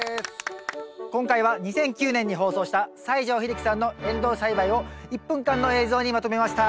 今回は２００９年に放送した西城秀樹さんのエンドウ栽培を１分間の映像にまとめました。